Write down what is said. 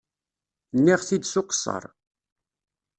Nniɣ-t-id s uqeṣṣer.